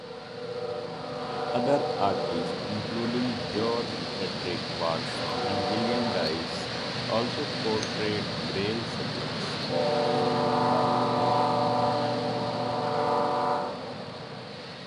Other artists, including George Frederic Watts and William Dyce, also portrayed grail subjects.